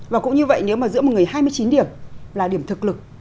và cũng như vậy nếu mà giữa một người hai mươi chín điểm là điểm thực lực